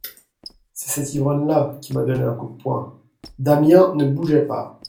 C'est cet ivrogne-là qui m'a donné un coup de poing.» Damiens ne bougeait pas.